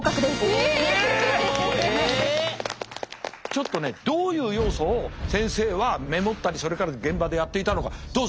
ちょっとねどういう要素を先生はメモったりそれから現場でやっていたのかどうぞ！